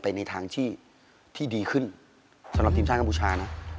ในทางที่ดีขึ้นสำหรับทีมชาติกัมพูชานะ